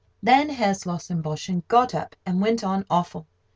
Then Herr Slossenn Boschen got up, and went on awful.